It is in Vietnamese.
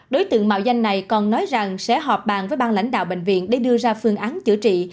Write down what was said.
đối tượng mạo danh này còn nói rằng sẽ họp bàn với bang lãnh đạo bệnh viện để đưa ra phương án chữa trị